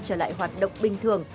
trở lại hoạt động bình thường